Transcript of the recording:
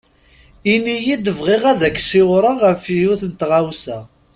Ini-yi-d bɣiɣ ad ak-ciwreɣ ɣef yiwet n tɣawsa.